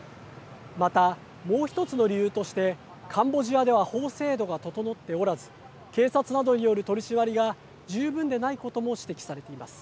また、もう１つの理由としてカンボジアでは法制度が整っておらず警察などによる取締りが十分でないことも指摘されています。